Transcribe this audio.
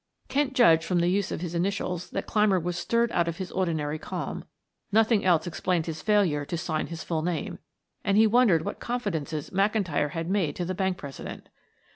Kent judged from the use of his initials that Clymer was stirred out of his ordinary calm, nothing else explained his failure to sign his full name, and he wondered what confidences McIntyre had made to the bank president.